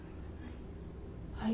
はい。